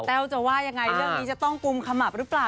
แววจะว่ายังไงเรื่องนี้จะต้องกุมขมับหรือเปล่า